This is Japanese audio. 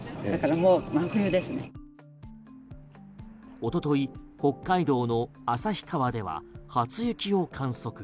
一昨日北海道の旭川では初雪を観測。